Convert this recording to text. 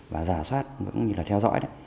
và giả soát cũng như là theo dõi